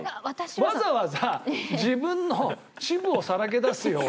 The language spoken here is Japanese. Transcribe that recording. わざわざ自分の恥部をさらけ出すような。